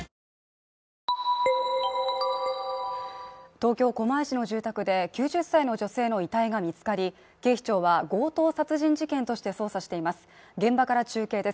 東京・狛江市の住宅で９０歳の女性の遺体が見つかり警視庁は強盗殺人事件として捜査しています